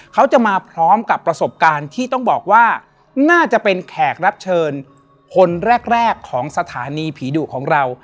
เขาจะมาพร้อมกับประสบการณ์ที่ต้องบอกว่าน่าจะเป็นแขกรับเชิญคนแรกของสถานีผีดุของเรา